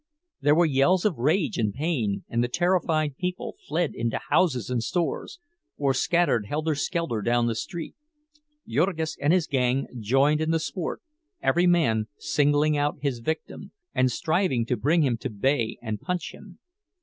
There were yells of rage and pain, and the terrified people fled into houses and stores, or scattered helter skelter down the street. Jurgis and his gang joined in the sport, every man singling out his victim, and striving to bring him to bay and punch him.